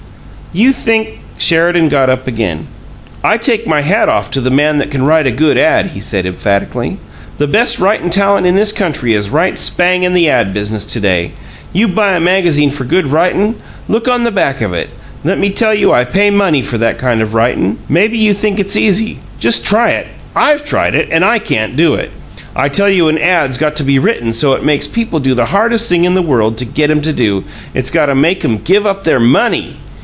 "You think " Sheridan got up again. "I take my hat off to the man that can write a good ad," he said, emphatically. "The best writin' talent in this country is right spang in the ad business to day. You buy a magazine for good writin' look on the back of it! Let me tell you I pay money for that kind o' writin'. Maybe you think it's easy. Just try it! I've tried it, and I can't do it. I tell you an ad's got to be written so it makes people do the hardest thing in this world to GET 'em to do: it's got to make 'em give up their MONEY!